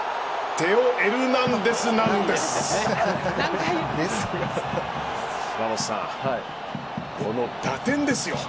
テオエルナンデズなんです！